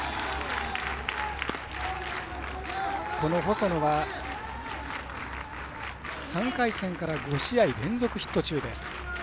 細野は、３回戦から５試合連続ヒット中です。